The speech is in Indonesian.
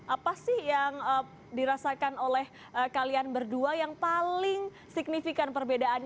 apa sih yang dirasakan oleh kalian berdua yang paling signifikan perbedaannya